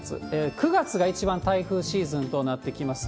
９月が一番台風シーズンとなってきます。